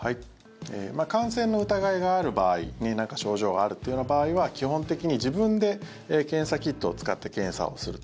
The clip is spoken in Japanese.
感染の疑いがある場合に何か症状があるっていう場合は基本的に自分で検査キットを使って検査すると。